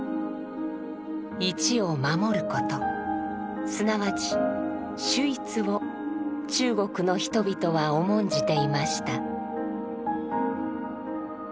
一を守ることすなわち「守一」を中国の人々は重んじていました。